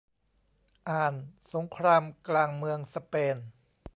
อ่าน สงครามกลางเมืองสเปน